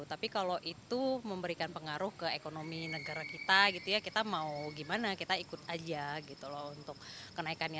tapi kalau itu memberikan pengaruh ke ekonomi negara kita gitu ya kita mau gimana kita ikut aja gitu loh untuk kenaikannya